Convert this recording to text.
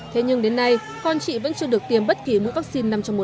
thế nhưng đến nay con chị vẫn chưa được tiêm bất kỳ mũi vaccine năm trong nào